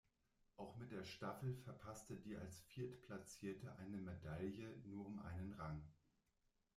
Auch mit der Staffel verpasste die als Viertplatzierte eine Medaille nur um einen Rang.